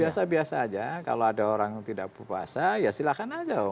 biasa biasa aja kalau ada orang tidak berpuasa ya silahkan aja